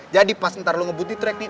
jadi pas ntar lu ngebut di track nih